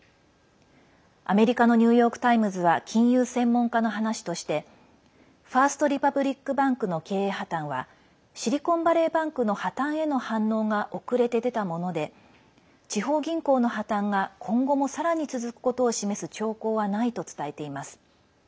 アメリカのニューヨーク・タイムズは金融専門家の話としてファースト・リパブリック・バンクの経営破綻はシリコンバレーバンクの破綻への反応が遅れて出たもので地方銀行の破綻が、今後もさらに続くことを示す兆候はないと伝えています。